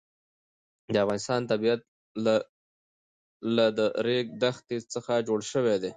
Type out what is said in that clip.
د افغانستان طبیعت له د ریګ دښتې څخه جوړ شوی دی.